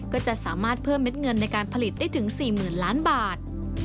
ก็จะสามารถเพิ่มเม็ดเงินในการผลิตได้ถึง๔๐๐๐ล้านบาท